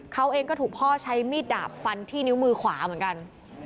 เขาเองก็ถูกพ่อใช้มีดดาบฟันที่นิ้วมือขวาเหมือนกัน